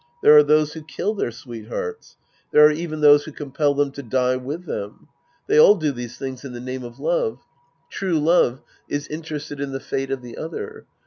There are those who kill their sweethearts. There are even those who compel them to die with them. They all do these things in the name of love. True love is interested in the fate of the other.